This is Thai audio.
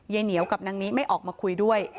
เหนียวกับนางนิไม่ออกมาคุยด้วย